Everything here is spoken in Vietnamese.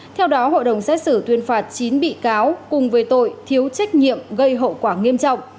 theo đó hội đồng xét xử tuyên phạt chín bị cáo cùng với tội thiếu trách nhiệm gây hậu quả nghiêm trọng